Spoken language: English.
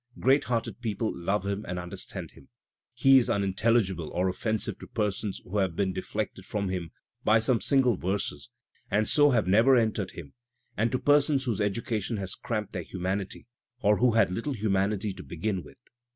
\ Great hearted people love him and understand him. He is •imintelligible or oflFensive to persons who have been deflected from him by some single verses and so have never entered him, and to persons whose education has cramped their humanity or who had little humanity to begin with.